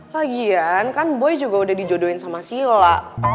lagian kan boy juga udah dijodohin sama sila